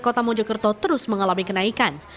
kota mojokerto terus mengalami kenaikan